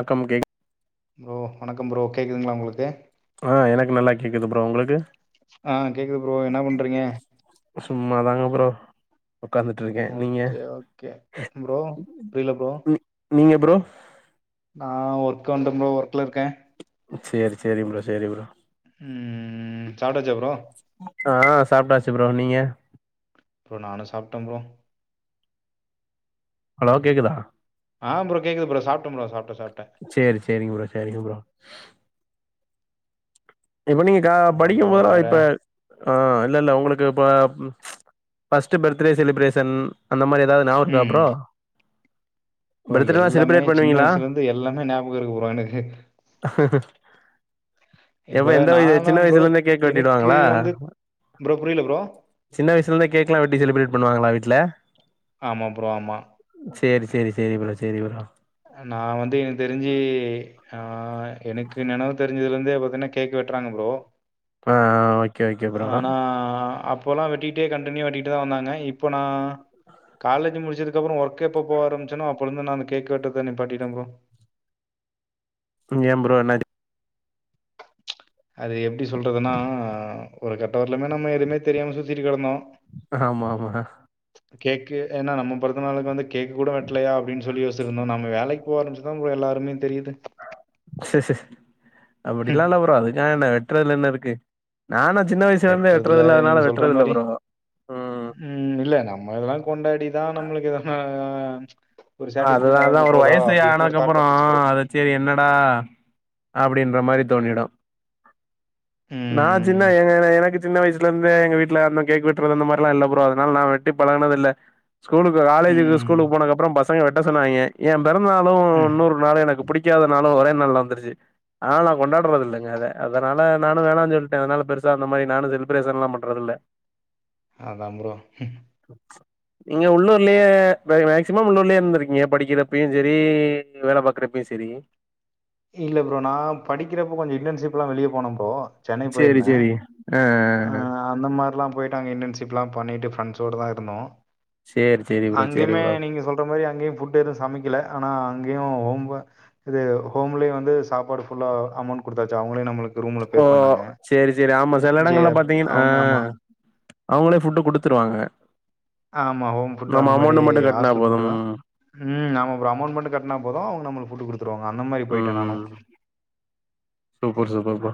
ரெக்க முடியே ஃப்ரோ வணக்கம் ஃப்ரோ கேக்குதுங்ளா உங்களுக்கு ஆ எனக்கு நல்லா கேக்குது ஃப்ரோ உங்களுக்கு ஆ கேக்குது ஃப்ரோ என்ன பண்றீங்க சும்மாதாங்க ஃப்ரோ உக்காந்துட்டு இருக்க நீங்க ஓகே ஓகே ப்ரோ புரியல ப்ரோ நீ நீங்க ஃப்ரோ நா ஒர்க் வந்தே ப்ரோ ஒர்க்ல இருக்கே சேரி சேரி ப்ரோ சேரி ப்ரோ ம் சாப்ட்டாச்சா ப்ரோ ஆ சாப்ட்டாச்சு ப்ரோ நீங்க ப்ரோ நானு சாப்ட்டே ப்ரோ ஹலோ கேக்குதா ஆ ப்ரோ கேக்குது ப்ரோ சாப்ட்டே ப்ரோ சாப்ட்டே சாப்ட்டே சேரி சேரிங்க ப்ரோ சேரிங்க ப்ரோ இப்ப நீங்க க அப்றோ ப்ரோ படிக்கும்போதல்லா வேற இப்ப ஆ இல்ல இல்ல உங்களுக்கு இப்ப ம் ஃபஸ்ட் பர்த்டே செலிப்ரேஷன் அந்த மாரி எதா ஞாபகோ இருக்கா ம் ப்ரோ ப்ரோ பர்த்டேலா எல்லாமே செலிப்ரேட் சின்ன பண்ணுவீங்களா வயசுல இருந்து எல்லாமே ஞாபக இருக்கு ப்ரோ எனக்கு எப்ப இப்ப எந்த வயது நாலா சின்ன ப்ரோ வயசுல இருந்தே கேக் எனக்கு வெட்டிடுவாங்களா வந்து ப்ரோ புரியல ப்ரோ சின்ன வயசுல இருந்தே கேக்லா வெட்டி செலிப்ரேட் பண்ணுவாங்களா வீட்ல ஆமா ப்ரோ ஆமா சேரி சேரி சேரி ப்ரோ சேரி ப்ரோ அ நா வந்து எனக்கு தெரிஞ்சு ஆ எனக்கு நெனவு தெரிஞ்சதுல இருந்தே பாத்தீன்னா கேக் வெட்றாங்க ப்ரோ ஆ ஆ ஓ ஆனா அப்போல்லா வெட்டிட்டே கண்ட்டினியூ வெட்டிட்டுதா வந்தாங்க இப்ப நா காலேஜு முடிச்சதுக்கப்பறோ ஒர்க் எப்போ போக ஆரம்பிச்சனோ அப்போல இருந்து நானு கேக் வெட்றத நிப்பாட்டிட்டே ப்ரோ ம் ஏன் ப்ரோ என்னாச் அது எப்டி சொல்றதுன்னா ஒரு கட்டோ வரலுமே நம்ம எதுமே தெரியாம சுத்திட்டு கெடந்தோ ஆமா ஆமா கேக்கு ஏன்னா நம்ம பொறந்த நாளுக்கு வந்து கேக்கு கூட வெட்லையா அப்டின்னு சொல்லி வச்சிருந்தோ நம்ம வேலைக்கி போக ஆரம்பிச்சுதா ப்ரோ எல்லா அருமையு தெரியுது ஹம். அப்டிலா இல்ல ப்ரோ அதுக்காக என்ன வெட்றதுல என்ன இருக்கு நானு சின்ன வயசுல இருந்தே வெட்டுறதுல வெட்றதில்ல நீங்க அதனால சொல்ற வெட்றதில்ல மாரி ப்ரோ ம் இல்ல நம்ம இதெல்லா கொண்டாடிதா நம்மளுக்கு எதனா ஒரு சாட்டிஸ்ஃபை அதுதா அதா ஆக ஒரு போதா வயசு அப்டின்ற ஒரு தாட் ஆனதுக்கப்பறோ வந்துச்சு ப்ரோ. அது சேரி என்னடா அப்பிடின்ற மாரி தோணிடு நா சின்ன ம். எங்கன எனக்கு சின்ன வயசுல இருந்தே எங்க வீட்ல அந்த கேக் வெட்றது அந்த மாரிலா இல்ல ப்ரோ அதனால நா வெட்டி பழகுனது இல்ல ஸ்கூலுக்கு காலேஜுக்கு ம். ஸ்கூலுக்கு போனதுக்கு அப்பறோ பசங்க வெட்ட சொன்னாய்ங்க யேன் பெறந்த நாளு ம். இன்னொரு நாளு எனக்கு பிடிக்காத நாளு ஒரே நாள்ல வந்துருச்சி அதனால நா கொண்டாடுறது இல்லங்க அத அதனால நானு வேணான்னு சொல்ட்டே அதனால பெருசா அந்த மாரி நானு செலிபிரேஷன்லா பண்றதில்ல அதா ப்ரோ நீங்க உள்ளூர்லயே வெரி மேக்சிமம் உள்ளூர்லயே இருந்துருக்கீங்க படிக்கிறப்பயு செரி வேல பாக்கறப்பயு செரி இல்ல ப்ரோ நா படிக்கிறப்போ கொஞ்ச இன்டர்ன்ஷிப்லா வெளிய போன ப்ரோ சென்னை சேரி போயிருந்தே சேரி ஆ ஆ அந்த மாரிலா போயிட்டு அங்க இன்டன்ஷிப்லா பண்ணிட்டு ஃப்ரெண்ட்ஸோடதா இருந்தோ சேரி சேரி ப்ரோ சேரி அங்கேமே ப்ரோ நீங்க சொல்ற மாரி அங்கேயு புட் எதும் சமைக்கல ஆனா அங்கேயு‌ ஒம்ப இது ஹோம்லே வந்து சாப்பாடு ஃபுல்லா அமௌண்ட் குடுத்தாச்சு அவங்களே நம்மளுக் ஓ சேரி சேரி ஆமா சில ஜே இடங்கள்ல பாத்தீங்கன் ஆ அவங்க ஆமா அவங்களே ஃபுட்டு குடுத்துருவாங்க ஆமா ஹோம் ஃபுட்டு நம்ம அந்த மாரி அமௌண்ட் மட்டு கட்னா ஹாஸ்டல் ஃபுட்டு போதும் தா ம் ம் ஆமா ஃப்ரோ அமௌண்ட் மட்டு கட்னா போது அவங்க நம்ளுக்கு ஃபுட்டு குடுத்துருவாங்க அந்த மாரி போய்ட்ட நானு ம் சூப்பர் சூப்பர் ப்ரோ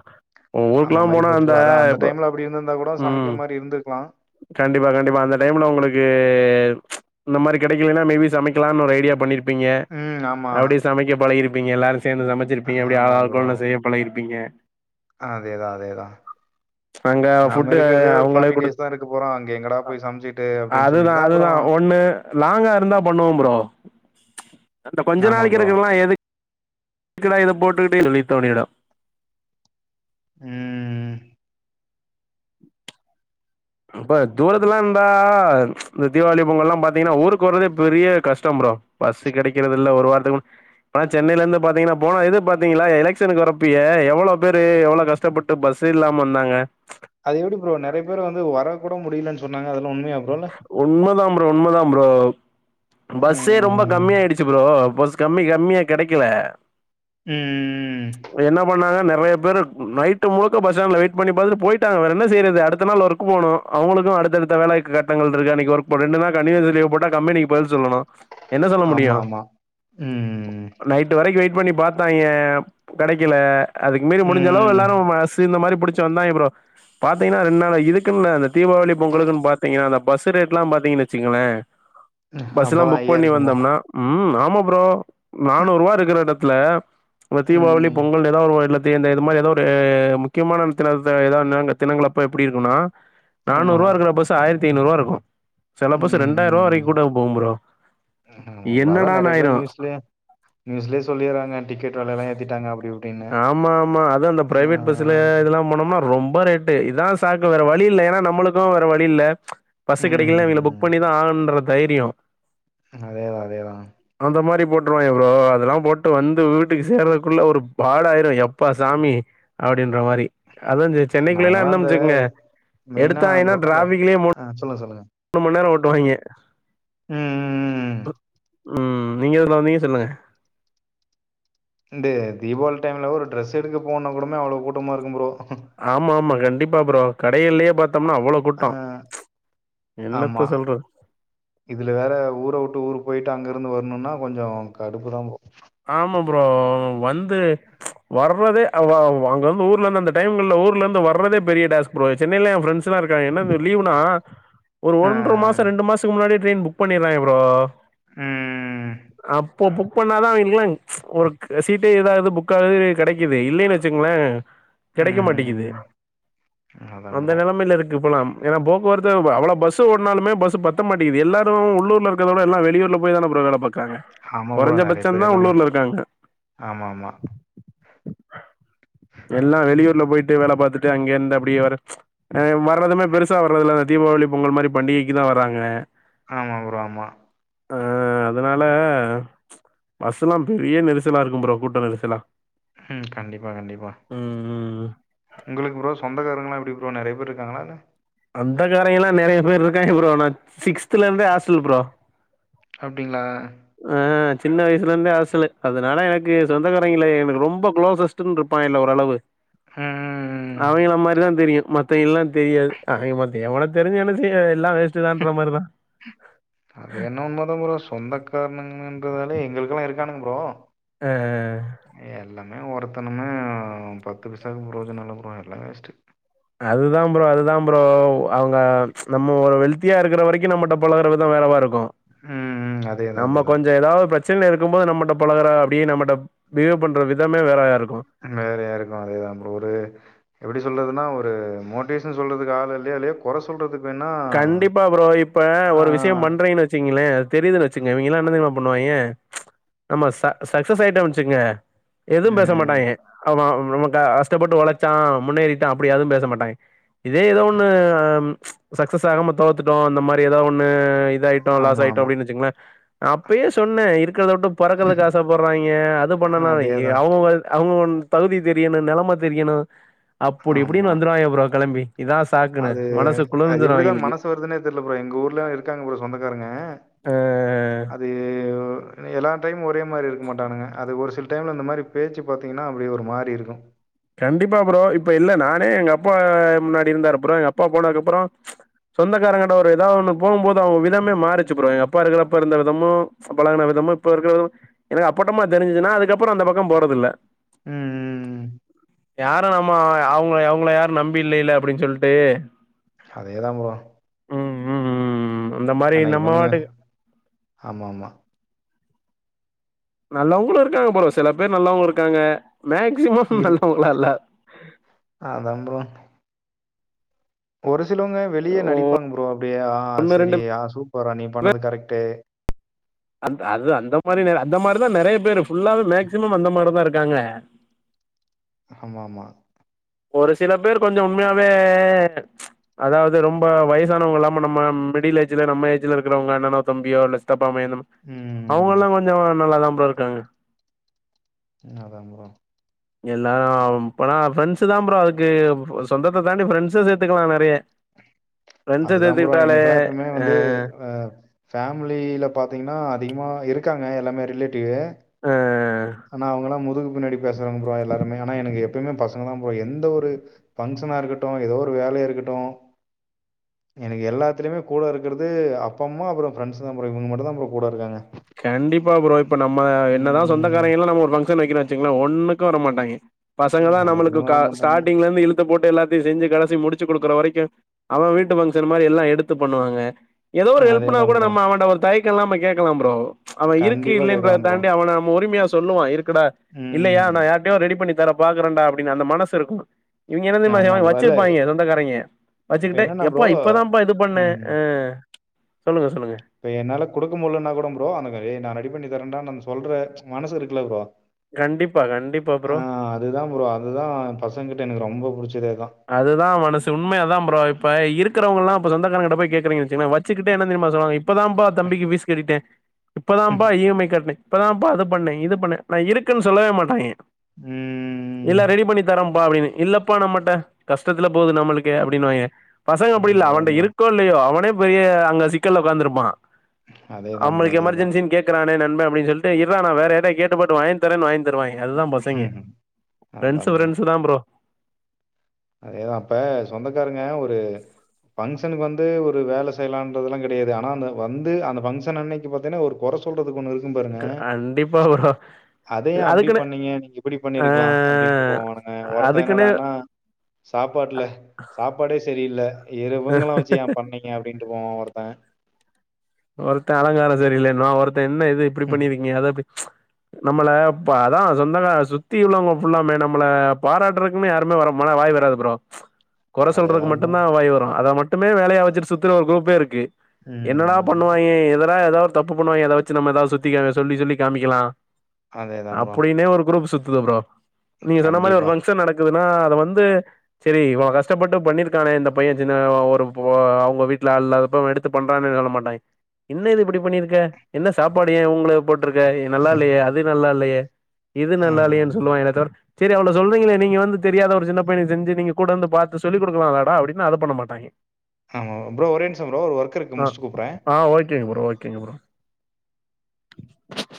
அந்த ஊருக்குல்லா மாரி போனா போச்சு ப்ரோ அதா அந்த இப்ப டைம்ல அப்டி இருந்திருந்தா கூட ம் சமைக்க மாரி இருந்துக்லா கண்டிப்பா கண்டிப்பா அந்த டைம்ல உங்களுக்கு இந்த மாரி கிடைக்கலனா மே பி சமைக்கலான்னு ஒரு ஐடியா பண்ணிருப் ப்பீங்க ம் ஆமா அப்டியே சமைக்க பழகிருப்பீங்க எல்லாரு சேந்து சமச்சிருப்பீங்க அப்டி ஆமா ஆள் ப்ரோ ஆளுக்கு ஒன்ன ஆமா செய்ய பழகிருப்பீங்க அதேதா அதேதா அங்க நாம ஃபுட்டு இருக்கிறதே ஒரு அவங்களே ஃபார்ட்டி குடுத் டேஸ் தா இருக்க போறோ அங்க எங்கடா போய் சமைச்சிட்டு அப்டின்னு அதுதா சொல்லிட்டு தா அப்புறோ அதுதா ஒன்னு லாங்கா இருந்தா பண்ணுவோ ஃப்ரோ இந்த கொஞ்ச ஆமா நாளெக்கி ப்ரோ இருக்கல்லா எதுக் எதுக்குடா இத போட்டுக்கிட்டே இலித்தோனிடா ம் அ ப தூரத்துல இருந்தா ந் தீவாளி பொங்கல் ல்லா பாத்தீங்ன்னா ஊருக்கு வரதே பெரிய கஷ்டொம் ப்ரோ பஸ்சு கெடக்குறது இல்ல ஒரு வாரத்துக்கு முன் ஆ சென்னைல இருந்து பாத்தீங்கன்னா போன இது பாத்தீங்களா எலக்சனுக்கு வரப்பயே எவ்ளோ பேரு எவ்ளோ கஷ்டப்பட் டு பஸ்சு இல்லாம வந்தாங்க அது எப்டி ப்ரோ நறையா பேர் வந்து வர கூட முடிலன் சொன்னாங்க அதெல்லா உண்மையா ப்ரோ இல்ல உண்மதா ப்ரோ உண்மதா ப்ரோ பஸ்ஸே ரொம்ப ம் கம்மி ஆய்டிச்சு ப்ரோ பஸ் கம்மி கம்மியா கெடக்கல ம் ம் ம் என்ன பண்ணாங்க நறையா பேரு நைட்டு முழுக்க பஸ் ஸ்டாண்ட்ல வெய்ட் பண்ணி பாத்துட்டு போய்ட்டாங்க வேற என்ன செய்றது அடுத்த நாள் ஒரு க்கு போனு அவ்ங்களுக்கு அடுத்தடுத்த வேல கட்டங்கள் இருக்கு அன்னெக்கி வர்க் பண்ணு ரெண்டு நாள் கண்டினுஸ் லீவு போட்டா கம்பனிக்கு பதில் சொல்லணு என்ன சொல்ல முடியு ஆமா ஆமா ம் நைட்டு வரைக்கு வெய்ட் பண்ணி பாத்தாய்ங்க கெடக்கல அதுக்கு மீறி முடிஞ்ச அளவு ம் எல்லாரு மஸ் த்து இந்த மாரி புடுச்சு வந்தாய்ங்க ப்ரோ பாத்தீங்கன்னா ரெண்டு நாளா இதுக்குன்னு இந்த தீபாவளி பொங்கலுக்குன்னு பாத் தீங்கன்னா அந்த பஸ் ரேட்ல்லா பாத்தீங்கன் வெச்சுங்கள பஸ்லா அப்பதா புக் ஐயா பண்ணி இருக்குமா வந்தொம்னா ம் ஆமா ப்ரோ நானூற்வா இருக்குற எடத்துல இந்த தீவாவளி ம் பொங்கலனு எதா ஒரு வருல இந்த இது மாரி எதோ ஒரு முக்கியமான தினத்த எதானாங்க தினங்கள் அப்ப எப்டி இருக்குனா ஆமா நானூற்வா இருக்குற பஸ் ஆய்ரத்தி ஐநூற்வா இருக்கு செல பஸ் ரெண்டாயிர்வா ம் வரைக்கு கூட போகு ப்ரோ ஆமா ப்ரோ அதா என்னடான் நெறைய ஆய்ரு பேர் நியூஸ்லயே நியூஸ்லயே சொல்லிறாங்க டிக்கெட் வெலையெல்லா ஏத்திட்டாங்க அப்டி இப்டின்னு ஆமா ஆமா அது அந்த ஆ ப்ரைவேட் பஸ்ல இதெல்லா நம்புனோம்னா ரொம்ப ரேட்டு இதா சாக்கு வேற வழி இல்ல எனா நம்மளுக்கு வேற வழி இல்ல பஸ்ஸு கெடக்கல இவங்கெள ம் புக் பண்ணிதா ஆகனுன்ற தைரியொ அதேதா அதேதா அந்த மாரி போட்ருவோங்க ப்ரோ அதெல்லா போட்டு வந்து வீட்டுக்கு சேர்றதுக்குள்ள ஒரு பாட் ஆயிரு எப்பா சாமி அப்டின்ற மாரி அதா சி சென்னைக்குள்ள ல்லா நாங்கலாம் இருந்தொம் வெச்சுகிங்க எடுத்தாய்னா எப் வந்த ஆ சொல்லுங்க சொல்லுங்க மூணு மண்நேரொ ஓட்டுவாய்ங்க ம், ம், ம். ம் நீங்க எதுல வந்தீங்க சொல்லுங்க இந்த தீவாளி டைம்ல ஒரு ட்ரெஸ் எடுக்க போனா கூடமே அவ்ளொ கூட்டமா இருக்கும் ப்ரோ ஆமா ஆமா கண்டிப்பா ப்ரோ கடைகள்லயே பாத்தோம்னா அவ்ளோ ஆ கூட்டொ ஆமா. என்னத்த சொல்றது இதுல வேற ஊர உட்டு ஊரு போய்டு அங்க இருந்து வரணுனா கொஞ்சொ கடுப்புதா ப்ரோ ஆமா ப்ரோ வந்து வர்றதே அவ் அவ் அங்க வந்து ஊர்ல இந்து அந்த டைங்கல்ல ஊர்ல இருந்து வர்றதே பெரிய டஸ் ப்ரோ சென்னைல என் ஃப்ரெண்ஸ்லா இருக்காங்க என்னன் லீவ்னா ஒரு ஆ. ஒன்ற மாசொ ரெண்டு மாசொ முன்னாடியே ட்ரெயின் புக் பண்ணிறாய்ங்க ப்ரோ ம். அப் பொ புக் பண்ணாதா அவ் விங்லாங் ஒரு சீட்டு ஏதாது புக் ஆகுது கிடைக்குது இல்லைன் வச்சிகுங்களே கிடைக்க மாட்டேக்குது ம். அதான் அந்த ப்ரோ. நிலமைல இருக்கு இப்பலாம் ஏனா போக்குவரத்து அவ்ள பஸ் ஓடுனாலுமெ பஸ் பத்த மாட்டெக்குது எல்லாரு உள்ளுர்ல இருக்கதோட எல்லா வெளியூர்ல போய் தான ப்ரோ வேல பாக் க்காங்க குறஞ்ச பச் ப்ப எல்லாமே ஆமா ஆமா எல்லா வெளியூர்ல போயிட்டு வேல பாத்துட்டு அங்க இருந்து அப்டியே வர அ வறதுமே பெருசா வரதுல்ல அந்த தீபாவளி பொங்கல் மாரி பண்டிகைக்கு தா வராங்க ஆமா ப்ரோ ஆமா அ அதனால பஸ்செல்லா பெரிய நெரிசலா இருக்கும் ப்ரோ கூட்ட நெரிசலா ம் கண்டிப்பா கண்டிப்பா ம், ம். உங்களுக்கு ப்ரோ சொந்தக்காரங்கலாம் எப்டி ப்ரோ நெறைய பேர் இருக்காங்களா என்ன சொந்தகாரய்ங்கல்லாம் நெறைய பேர் இருக்காங்க ப்ரோ நான் சிக்ஸ்த்துலருந்தே ஆஸ்டல் ப்ரோ அப்டிங்ளா ஆ சின்ன வயசுலருந்தே ஆஸ்டல்லு அதனால எனக்கு சொந்தக்காரய்ங்கல எனக்கு ரொம்ப குளோசஸ்ட் இருப்பாய்ங்கள ஓரளவு ம், ம், ம். அவய்ங்கள மாரிதான் தெரியும் மத்தவய்ங்கல்லாம் தெரியாது ஆ மத்த எவன தெரிஞ்சு என்ன செய்ய எல்லாம் வேஸ்ட்டு தான்ற மாரிதான் அது வேணா உண்மைதான் ப்ரோ சொந்த காரணங்கன்றதாலே எங்களுக்கெல்லாம் இருக்கானுங்க ப்ரோ அ எல்லாமே ஒருத்தனுமே பத்து பைசாக்கு ப்ரோஜனல்ல ப்ரோ எல்லா வேஸ்ட்டு அதுதான் ப்ரோ அதுதான் ப்ரோ அவங்க நம்ம ஒரு வெல்தியா இருக்கற வரைக்கும் நம்மட்ட பழகற விதம் வேற மார்ருக்கும் ம் அதேதான் நம்ம அதேதான் கொஞ்சம் ஏதாவது பிரச் சன இருக்கும்போது நம்மட்ட பழகற அப்டியே நம்மட்ட பிகேவ் பண்ற விதமே வேறையா இருக்கும் வேறயாருக்கும் அதேதான் ப்ரோ ஒரு எப்டி சொல்றதுன்னா ஒரு மோட்டிவேஷன் சொல்றதுக்கு ஆள் இல்லையால்லயோ கொற சொல்றதுக்கு வேணா கண்டிப்பா ப்ரோ இப்ப ஆ, ஒரு விஷயம் பண்றீங்கன்னு வச் சீங்களே அ தெரியுதுன்னு வச்சுங்க இவய்ங்கல்லாம் என்ன தெரியுமா பண்ணுவாய்ங்க நம்ம ச சக்சஸ் ஆயிட்டோ வச்சுகங்க எதுவும் பேச ம் மாட்டாய்ங்க அவ நமக்கு கஸ் டப்பட்டு ஒழச்சான் முன்னேறிட்டான் அப்டி யாரும் பேச மாட்டாங்க இதே ஏதோ ஒண்ணு ஆ சக்சஸ் ஆகாம தோத்துட்டோம் அந்த மாரி ஏதா ஒண்ணு இதா ஆயிட்டோம் லாஸ் ஆமா ஆயிட்டோம் ஆமா அப்டின்னு வச்சுங்களேன் அப்பயே சொன்னேன் இருக்கிறத விட்டு பறக்கறக்துக்கு ஆசப்பட்றாய்ங்க அது பண்ணனும் அதேதான் அவங்க அவங்க ஒன் தகுதி தெரியணும் நெலம தெரியணும் அப்படி இப்படின்னு ஆமா வந்துருவாய்ங்க ப்ரோ கெளம்பி இதா சாக்குன்னு அது மனசு அது குளிர்ந்துரு எப்டிதா அவிங்களுக்கு மனசு வருதுன்னே தெர்ல ப்ரோ எங்க ஊர்லல்லா இருக்காங்க ப்ரோ சொந்தக்காரங்க ஆ அ து எல்லா டைம் ஒரே மாரி இருக்க மாட்டானுங்க அது ஒரு சில டைம்ல அந்த மாரி பேச்சு பாத்தீங்கன்னா அப்டி ஒரு மாரி இருக்கும் கண்டிப்பா ப்ரோ இப்ப இல்ல நானே எங்க அப்பா முன்னாடி இருந்தாரு ப்ரோ எங்க அப்பா போனதுக்கு அப்புறம் சொந்தக்காரங்கிட்ட ஒரு ஏதா ஒண்ணு போம்போது அவங்க விதமே மாறிச்சு ப்ரோ எங்க அப்பா இருக்கரப்ப இருந்த விதமும் பழகன விதமும் இப்ப இருக்கற விதம் எனக்கு அப்பட்டமா தெரிஞ்சுச்சு நா அதுக்கப்பறம் அந்த பக்கம் போறதில்ல ம் ம் யாரும் நம்ம அவங்க அவங்கள யாரும் நம்பி இல்லல்ல அப்டின்னு சொல்லிட்டு அதேதா ப்ரோ ம் ம் அந்த மாரி ஆனா நம்ம இவங்க பாட்டுக்கு ஆமாமா நல்லவங்களும் இருக்காங்க ப்ரோ சில பேர் நல்லவங்களா இருக்காங்க மேக்சிமம் நல்லவங்களா இல்ல ஆதா ப்ரோ ஒரு சிலவங்க வெளிய நடிப்பாங்க ப்ரோ அப்டிய ஆ ஒன்னு சரி ரெண்டு ஆ சூப்பரா நீ பண்ணது கரெக்ட்டு அ அது அந்த மாரி அந்த மாரிதா நெறைய பேரு ஃபுல்லாவே மேக்சிமம் அந்த மாரிதா இருக்காங்க ஆமாமா ஒரு சில பேர் கொஞ்சம் உண்மையாவே அதாவது ரொம்ப வயசானவங்க இல்லாம நம்ம மிடில் ஏஜ்ல நம்ம ஏஜ்ல இருக்கிறவங்க அண்ணனோ தம்பியோ இல்ல சித்தப்பா மயன் அவங்க ம். எல்லா கொஞ்சம் நல்லா தான் ப்ரோ இருக்காங்க அதா ப்ரோ எல்லாரும் இப்பனா ஃப்ரெண்ட்ஸ் தா ப்ரோ அதுக்கு சொந்தத்த தாண்டி ஃப்ரெண்ட்ஸ சேத்துக்கலா நெறைய ஃப்ரெண்ட்ஸ அதுதா ப்ரோ சேத்துக்கிட்டாலே எனக்கெல்லா எப்பமே ஆ வந்து ஆ ஃபேமிலில பாத்தீங்கன்னா அதிகமா இருக்காங்க எல்லாமே ரிலேட்டிவ்வு ஆ ஆனா அவங்கல்லா முதுகுக்கு பின்னாடி பேசுறாங்க ப்ரோ எல்லாருமே எனக்கு எப்பயுமே பசங்க தா ப்ரோ எந்த ஒரு பங்க்ஷனா இருக்கட்டும் ஏதோ ஒரு வேலையா இருக்கட்டும் எனக்கு எல்லாத்துலயுமே கூட இருக்கற அப்ப அம்மா அப்புறம் ஃப்ரண்ட்ஸ் தா ப்ரோ இவங்க மட்டும்தா ப்ரோ கூட இருக்குறாங்க கண்டிப்பா ப்ரோ இப்ப நம்ம என்னதா சொந்தக்காரங்க எல்லாம் நம்ம ஒரு ஃபங்ஷன் வைக்கணு வச்சுங்கள ஒன்னுக்கும் வர மாட்டாங்க பசங்க தா நம்மளுக்கு ஒன்னுத்துக்குமே வர மாட்டானுங்க ஸ்டார்டிங்ல இருந்து இழுத்து போட்டு எல்லாத்தையு செஞ்சு கடைசி முடிச்சு கொடுக்குற வரைக்கும் அவ வீட்டு பங்க்ஷன் மாதிரி எல்லாம் எடுத்து பண்ணுவாங்க ஏதோ ஒரு ஹெல்ப்னா அதேதா கூட ப்ரோ நம்ம அவன்ட ஒரு தயக்கம்யில்லாமா கேட்கலாம் ப்ரோ அவ இருக்கு கண்டிப்பா கேக்கலா இல்லலைன்றத ப்ரோ தாண்டி அவன் நம்ம உரிமையா சொல்லுவா இருக்குடா இல்லையா நா ம் யார்டையே ரெடி பண்ணி தர பாக்குறண்டா அப்படின்னு அந்த மனசு இருக்கும் இவங்க என்ன தெரியுமா ஆமா செய்வாங்க ப்ரோ இல்ல வச்சிருப்பாங்க சொந்தக்காரங்க இப்ப வச்சுக்கிட்டே என்னன்னா எப்பா ப்ரோ இப்பதான்ப்பா இது பண்ணே ம் ஆ சொல்லுங்க சொல்லுங்க இப்ப என்னால கொடுக்க முடியலுன்னா கூட ப்ரோ அந்த நா ரெடி பண்ணி தரேன்டான்ற சொல்ற மனசு இருக்குல்ல ப்ரோ கண்டிப்பா கண்டிப்பா ஆ ப்ரோ அதுதா ப்ரோ அதுதா பசங்கிட்ட எனக்கு ரொம்ப புடிச்சதே அதுதா அதுதா மனசு உண்மையே அதுதா ப்ரோ இப்ப இருக்கவங்க எல்லாம் இப்ப சொந்தக்காரங்க கிட்ட கேக்குறீங்கனு வச்சுங்களா வச்சுட்டே என்ன தெரியுமா சொல்லுவாங்க இப்பதாம்பா தம்பிக்கு பீஸ் கட்டிட்டே இப்பதான்ப்பா இ எம் ஐ கட்டினே இப்பதான்ப்பா அது பண்ணே இது பண்ணே ஆனா இருக்குன்னு சொல்லவே மாட்டாங்க ம் இல்ல ரெடி பண்ணி தரேம்ப்பா அப்படின்னு இல்லப்பா நம்மட்ட கஷ்டத்துல போகுது நம்மளுக்கு அப்படின்னுவாங்க பசங்க அப்படி ம். இல்ல அதான் அவண்ட ப்ரோ. இருக் கோ இல்லையோ அவனே பெரிய அங்க சிக்கல உக்காத்திருப்பா அதேதான் ப்ரோ, நம்மளுக்கு அதேதான். எமர்ஜென்சின்னு கேட் க்கறனே நண்பா அப்ப டின்னு சொல்லிட்டு இர்றா நா வேற யார்ட்டையாவது கேட்டு பாத்து வாங்கி தரே வாங்கி தருவாய்ங்க அதுதா பசங்க ஃபிரெண்ஸு அதான் ஃபிரெண்ஸுதா ப்ரோ அதேதா அப்ப சொந்தக்காரங்க ஒரு பங்க்ஷனுக்கு வந்து ஒரு வேல செய்லான்றதுலா கெடையாது ஆனா அந்த வந்து அந்த பங்க்ஷன் அன்னைக்கு பாத்தீங்னா ஒரு கொற சொல்றதுக்கு ஒன்னு இருக்கும் பாருங்க கண்டிப்பா ப்ரோ அத ஏன் அப்டி அதுக்குன்னு பண்ணீங்க நீங்க இப்புடி ஆ பண்ணிருக்குலா அப்டின்ட்டு போவானுங்க ஒருத்தன் அதுக்குன்னு என்னடானா சாப்பாட்டுல சாப்பாடே சரியில்ல இரு இவங்கள வச்சு ஏன் பண்ணீங்க அப்டின்ட்டு போவான் ஒருத்தன் ஒருத்தன் அலங்காரோ சரி இல்லைன்பா ஒருத்தன் என்ன இது இப்புடி பண்ணிருக்கீங்க அத அப்டி நம்மள இப்ப அதா சொந்தக்கா சுத்தி உள்ளவ்ங்க ஃபுல்லாமே நம்மள பாராட்றக் குமே யாருமே வருமானா வாய் வராது ப்ரோ கொற சொல்றதுக்கு அதேதான் ப்ரோ. மட்டுந்தா வாய் வரு அத மட்டுமே வேலையா வச்சுட்டு சுத்துற ஒரு குரூப்பே இருக்கு என்னடா ம். பண்ணுவாய்ங்க எதாடா எதா ஒரு தப்பு பண்ணுவாய்ங்க அத வச்சு நம்ம எதாவ்து சுத்திக்க சொல்லி சொல்லி காமிக்கலா அதேதான் ப்ரோ. அப்புடின்னே ஒரு குரூப் சுத்துது ப்ரோ நீங்க சொன்ன மாரி ஒரு கண்டிப்பா. பங்க்ஷன் நடக் குதுனா அத வந்து செரி இவ்ளோ கஷ்டப்பட்டு பண்ணிருக்கானே இந்த பையன் சின்ன ஒரு இப்போ அவ்ங்க வீட்ல ஆள் இல்லாதப்ப இவன் எடுத் து பண்றான்னே சொல்ல மாட்டாய்ங் என்ன இது இப்படி பண்ணிருக்க என்ன இது இப்புடி பண்ணிருக்க என்ன சாப்பாடு ஏன் இவுங்குள போட்ருக்க எ நல்லா இல்லையே அது நல்லா இல்லையே இது நல்லா இல்லையேன் ம். சொல்லுவாய்ங்களே தவர செரி அவுளோ சொறீங்களே நீங்க வந்து தெரியாத ஒரு சின்ன பையனுக் செஞ்சு நீங்க கூட வந்து பாத்து சொல்லி குடுக்குலாலடா அப்டின்னா அத பண்ண மாட்டாய்ங்க ஆமா ப்ரோ ஒரே நிம்ஷோ ப்ரோ ஒரு ஒர்க்கு இருக்கு ஆ முடிஸ்ட்டு கூப்புற ஆ ஓகேங்க ப்ரோ ஓகேங்க ப்ரோ